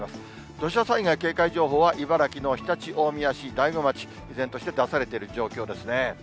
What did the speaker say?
土砂災害警戒情報は茨城の常陸大宮市、大子町、依然として出されている状況ですね。